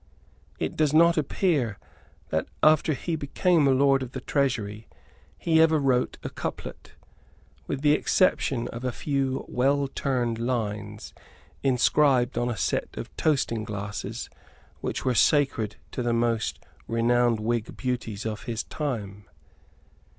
It does not appear that, after he became a Lord of the Treasury, he ever wrote a couplet, with the exception of a few well turned lines inscribed on a set of toasting glasses which were sacred to the most renowned Whig beauties of his time.